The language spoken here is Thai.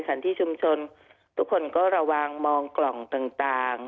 ที่ชุมชนทุกคนก็ระวังมองกล่องต่าง